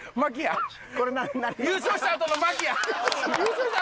優勝したあとの牧やん！